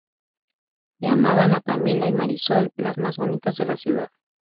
Y amaban a Camila y Marisol, las más bonitas de la ciudad.